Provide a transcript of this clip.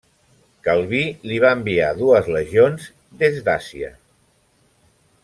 Calví li va enviar dues legions des d'Àsia.